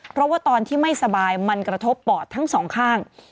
เพราะว่าตอนที่ไม่สบายมันกระทบปอดทั้งสองข้าง